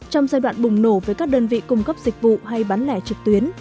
trong giai đoạn bùng nổ với các đơn vị cung cấp dịch vụ hay bán lẻ trực tuyến